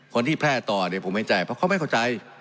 คนที่แพร่ต่อผมไม่เห็นใจเพราะเขาไม่เข้าใจ